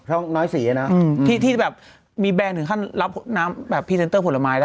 ช่องน้อยสีอะนะที่แบบมีแบงค์ถึงขั้นรับน้ำแบบพรีเซนเตอร์ผลไม้ได้